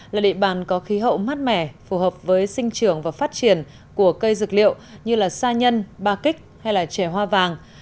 là địa bàn có khí hậu mát mẻ phù hợp với sinh trưởng và phát triển của cây dược liệu như sa nhân ba kích hay chè hoa vàng